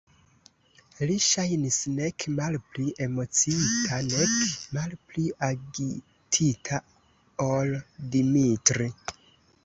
Li ŝajnis nek malpli emociita nek malpli agitita ol Dimitri.